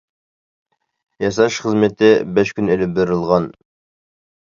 ياساش خىزمىتى بەش كۈن ئېلىپ بېرىلغان.